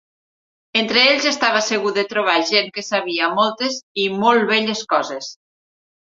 Entre ells estava segur de trobar gent que sabia moltes i molt belles coses.